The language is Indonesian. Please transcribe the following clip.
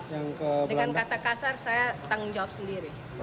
dengan kata kasar saya tanggung jawab sendiri